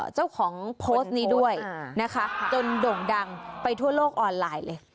เจ้าของโพสต์นี้ด้วยนะคะจนโด่งดังไปทั่วโลกออนไลน์เลย